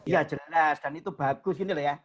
ya jelas dan itu bagus